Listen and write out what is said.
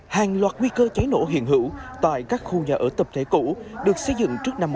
hàng loạt nguy cơ cháy nổ hiện hữu tại các khu nhà ở tập thể cũ được xây dựng trước năm một nghìn chín trăm bảy